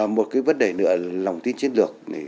một cái vấn đề nữa là lòng tin chiến lược